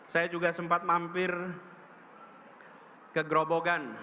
saya juga sempat mampir ke grobogan